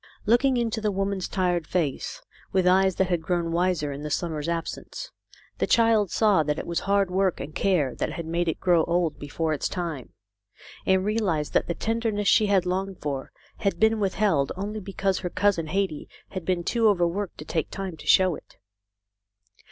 Looking into the woman's tired face with eyes that had grown wiser in the summer's absence, the child saw that it was hard work and care that had made it grow old before its time, and realised that the tenderness she had longed for had been withheld only because her cousin Hetty had been too overworked to take time to show it.